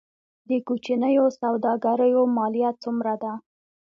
د کوچنیو سوداګریو مالیه څومره ده؟